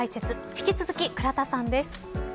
引き続き、倉田さんです。